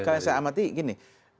kalau saya amati gini